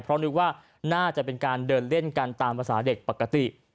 เพราะนึกว่าน่าจะเป็นการเดินเล่นกันตามภาษาเด็กปกติ